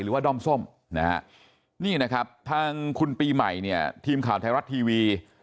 หรือว่าด้อมส้มนี่นะครับที่คุณปีใหม่เนี่ยทีมขามไทยรัดทีวี